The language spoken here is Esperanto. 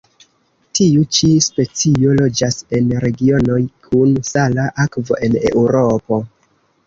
Tiu ĉi specio loĝas en regionoj kun sala akvo en Eŭropo.